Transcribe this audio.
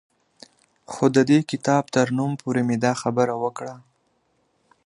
خو د دې کتاب تر نوم پورې مې دا خبره وکړه